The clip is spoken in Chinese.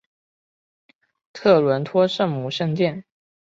特伦托圣母圣殿。